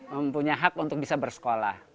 mempunyai hak untuk bisa bersekolah